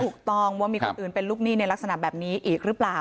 ถูกต้องว่ามีคนอื่นเป็นลูกหนี้ในลักษณะแบบนี้อีกหรือเปล่า